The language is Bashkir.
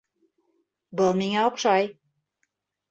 Был миңә оҡшай.